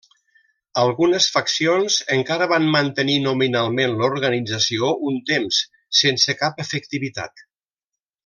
Algunes faccions encara van mantenir nominalment l'organització un temps sense cap efectivitat.